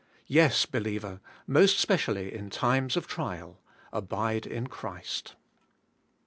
Yes, believer, most specially in times of trial, abide in Christ.